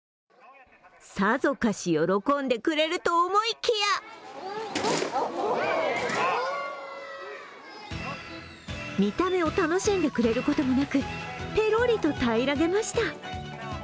さぞかし喜んでくれると思いきや見た目を楽しんでくれることもなく、ペロリとたいらげました。